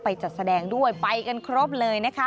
จัดแสดงด้วยไปกันครบเลยนะคะ